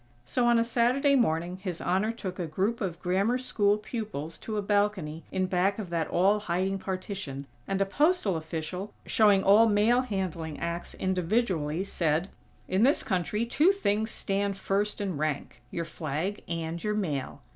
So, on a Saturday morning His Honor took a group of Grammar School pupils to a balcony in back of that all hiding partition, and a postal official, showing all mail handling acts individually, said: "In this country, two things stand first in rank: your flag and your mail.